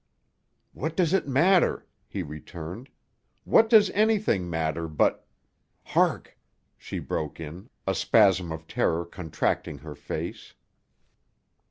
"What does it matter?" he returned. "What does anything matter but—" "Hark!" she broke in, a spasm of terror contracting her face.